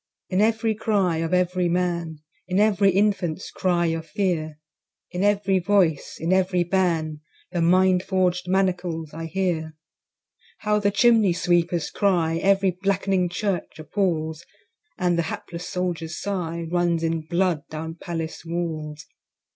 In every cry of every Man, In every Infant's cry of fear, In every voice, in every ban, The mind forg'd manacles I hear. How the Chimney sweepers cry Every black'ning Church appalls; And the hapless Soldier's sigh Runs in blood down Palace walls.